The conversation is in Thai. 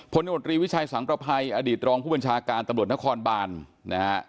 ผลมตรีวิชัยสังประภัยอดีตรองผู้บัญชาการตำรวจนครบานนะฮะ